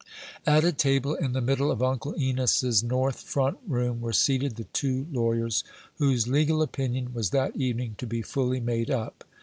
At a table in the middle of Uncle Enos's north front room were seated the two lawyers, whose legal opinion was that evening to be fully made up.